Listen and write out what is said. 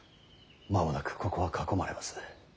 間もなくここは囲まれます。